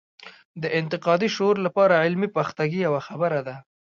د انتقادي شعور لپاره علمي پختګي یوه خبره ده.